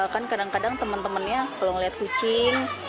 kan kadang kadang temen temennya kalau ngeliat kucing